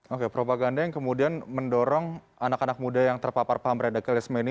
oke propaganda yang kemudian mendorong anak anak muda yang terpapar paham radikalisme ini